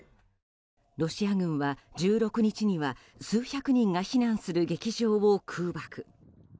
ロシア軍は１６日には数百人が避難する劇場を空爆。